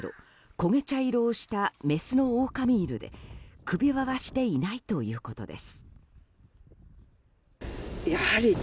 こげ茶色をしたメスのオオカミ犬で首輪はしていないということです。